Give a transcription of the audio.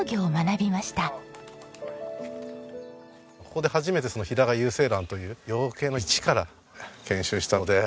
ここで初めて平飼い有精卵という養鶏の一から研修したので。